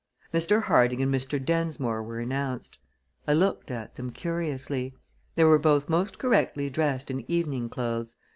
Mr. Harding and Mr. Densmore were announced. I looked at them curiously. They were both most correctly dressed in evening clothes.